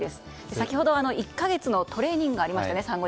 先ほど、産後１か月のトレーニングがありましたね